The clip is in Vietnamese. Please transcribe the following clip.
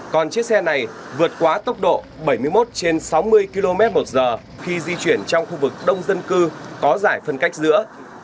còn chiếc xe này vượt quá tốc độ bảy mươi một trên sáu mươi km một giờ khi di chuyển trong khu vực đông dân cư có giải phân cách giữa